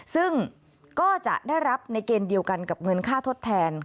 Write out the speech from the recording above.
ซึ่งก็จะได้รับในเกณฑ์เดียวกันกับเงินค่าทดแทน